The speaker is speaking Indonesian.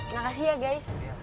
makasih ya guys